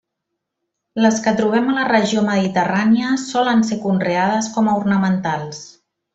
Les que trobem a la regió mediterrània solen ser conreades com a ornamentals.